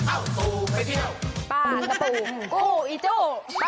ป้านะปูปู้อีจุ